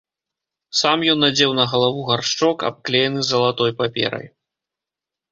Сам ён надзеў на галаву гаршчок, абклеены залатой паперай.